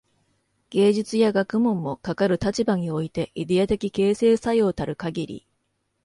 芸術や学問も、かかる立場においてイデヤ的形成作用たるかぎり、